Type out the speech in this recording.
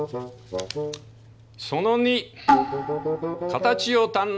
「その２形を堪能すべし」。